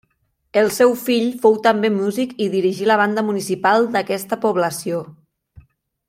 El seu fill fou també músic i dirigí la banda municipal d'aquesta població.